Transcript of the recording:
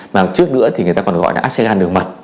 mà trước nữa thì người ta còn gọi là áp xe gan đường mật